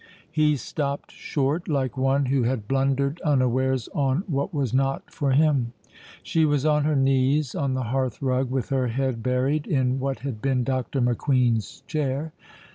He stopped short, like one who had blundered unawares on what was not for him. She was on her knees on the hearth rug, with her head buried in what had been Dr. McQueen's chair.